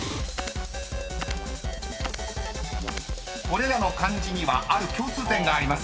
［これらの漢字にはある共通点があります］